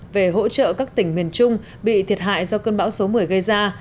về hỗ trợ các tỉnh miền trung bị thiệt hại do cơn bão số một mươi gây ra